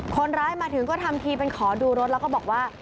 คนร้ายมาถึงก็ทำทีเป็นขอดูรถแล้วก็บอกว่า